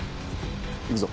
行くぞ。